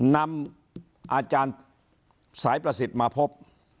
นำอาจารย์สายประสิทธิ์มาพบ